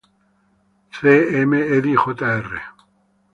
C. M. Eddy Jr.